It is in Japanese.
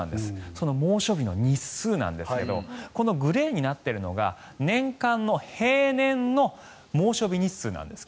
その猛暑日の日数なんですがこのグレーになっているのが年間の平年の猛暑日日数です。